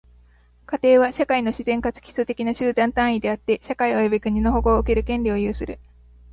家庭は、社会の自然かつ基礎的な集団単位であって、社会及び国の保護を受ける権利を有する。